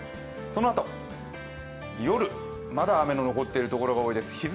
そのあと、夜、まだ雨の残っている所が多いです。